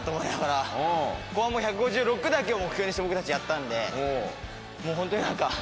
１５６だけを目標にして僕たちやったんでもうホントになんか。